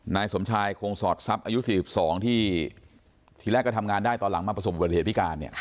นายสมชายโครงสอดทรัพย์อายุสี่สิบสองที่ทีแรกก็ทำงานได้ตอนหลังมาประสบบันเทศพิการ